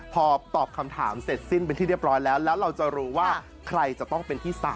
พอตอบคำถามเสร็จสิ้นเป็นที่เรียบร้อยแล้วแล้วเราจะรู้ว่าใครจะต้องเป็นที่๓